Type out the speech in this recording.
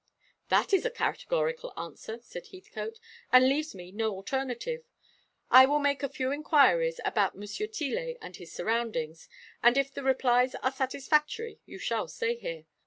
"That is a categorical answer," said Heathcote, "and leaves me no alternative. I will make a few inquiries about Monsieur Tillet and his surroundings, and if the replies are satisfactory you shall stay here.